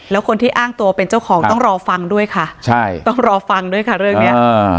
แล้วคนที่อ้างตัวเป็นเจ้าของต้องรอฟังด้วยค่ะใช่ต้องรอฟังด้วยค่ะเรื่องเนี้ยอ่า